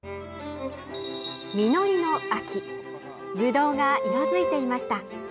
実りの秋ぶどうが色づいていました。